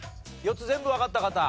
４つ全部わかった方。